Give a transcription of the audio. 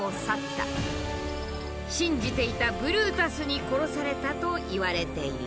信じていたブルータスに殺されたといわれている。